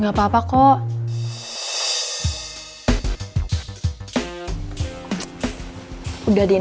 iya etuk luar kutu auichi latin marine